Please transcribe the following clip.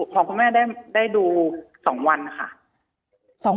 ของคุณแม่ได้ดู๒วันค่ะ